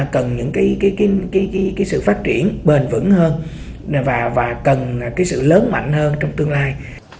cần những cái sự phát triển bền vững hơn và cần cái sự lớn mạnh hơn trong tương lai